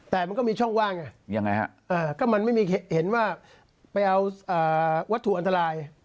แต่มันก็มีช่องว่างไงก็มันมีแค่เห็นไปเอาวัตถุอันทราย